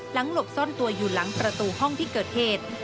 หลบซ่อนตัวอยู่หลังประตูห้องที่เกิดเหตุ